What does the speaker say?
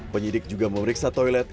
penyidik juga memeriksa toilet